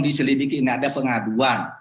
diselidiki ini ada pengaduan